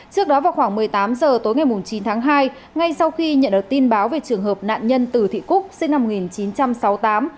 trước đó vào khoảng một mươi tám h tối ngày chín tháng hai ngay sau khi nhận được tin báo về trường hợp nạn nhân từ thị cúc sinh năm một nghìn chín trăm sáu mươi tám